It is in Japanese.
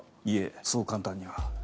いえそう簡単には。